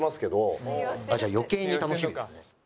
じゃあ余計に楽しみですね。